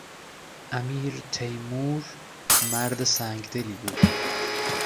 امیر تیمور مرد سنگدلی بود.